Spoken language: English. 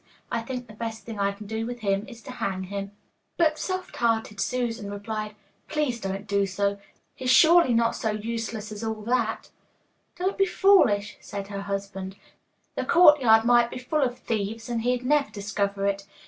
I think the best thing I can do with him is to hang him.' But soft hearted Susan replied, 'Please don't do so; he's surely not so useless as all that.' 'Don't be foolish,' said her husband. 'The courtyard might be full of thieves and he'd never discover it.